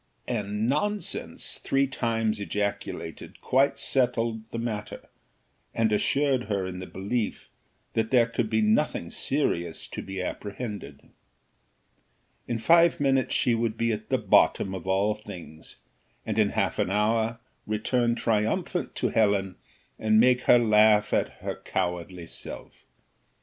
And nonsense! three times ejaculated, quite settled the matter, and assured her in the belief that there could be nothing serious to be apprehended. In five minutes she should be at the bottom of all things, and in half an hour return triumphant to Helen, and make her laugh at her cowardly self.